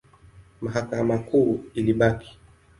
Mahakama Kuu ilibaki.